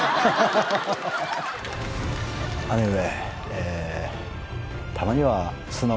姉上。